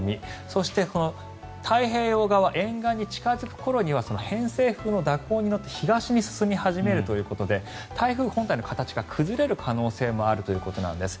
そして、太平洋側沿岸に近付く頃にはその偏西風の蛇行に乗って東に進み始めるということで台風本体の形が崩れる可能性もあるということなんです。